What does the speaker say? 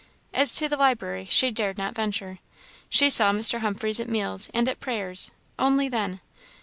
As to the library, she dared not venture. She saw Mr. Humphreys at meals and at prayers only then.